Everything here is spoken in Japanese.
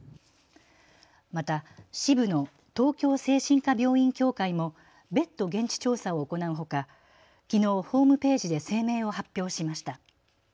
また支部の東京精神科病院協会も別途、現地調査を行うほかきのうホームページで声明を発表しました。